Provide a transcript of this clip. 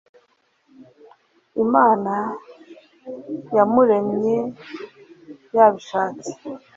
imana yamuremye yabishatse